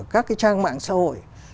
các trang mạng xã hội